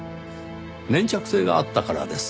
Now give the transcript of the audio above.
粘着性があったからです。